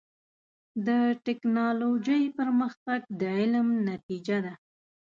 د ټکنالوجۍ پرمختګ د علم نتیجه ده.